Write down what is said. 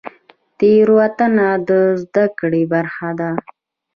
تیروتنه د زده کړې برخه ده